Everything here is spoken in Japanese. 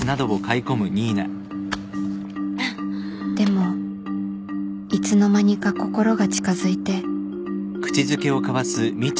でもいつの間にか心が近づいて